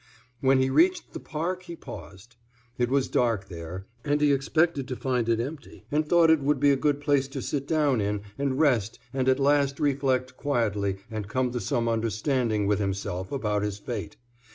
When he reached the park he paused. It was dark there, and he expected to find it empty and thought it would be a good place to sit down in and rest and at last reflect quietly and come to some understanding with himself about his fate.